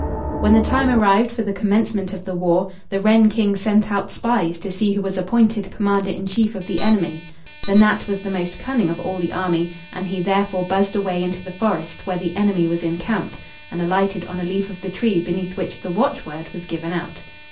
When the time arrived for the commencement of the war, the wren King sent out spies to see who was appointed commander in chief of the enemy. The gnat was the most cunning of all the army, and he, therefore, buzzed away into the forest where the enemy was encamped, and alighted on a leaf of the tree beneath which the watchword was given out.